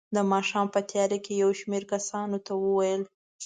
د ماښام په تیاره کې یې یو شمېر کسانو ته وویل.